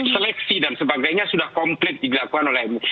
seleksi dan sebagainya sudah komplit dilakukan oleh mui